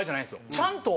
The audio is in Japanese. ちゃんと。